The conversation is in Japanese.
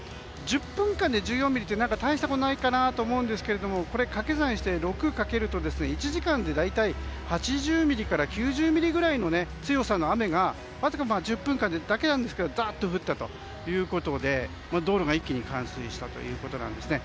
１０分間で１４ミリって大したことないかなって思うんですけどこれ、掛け算して６をかけると１時間で大体８０ミリから９０ミリぐらいの強さの雨がわずか１０分間だけですけどもざっと降ったということで道路が一気に冠水したということです。